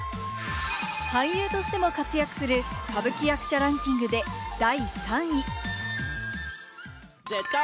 俳優としても活躍する歌舞伎役者ランキングで第３位。